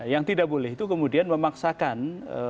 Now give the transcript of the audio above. yang tidak boleh itu kemudian memaksakan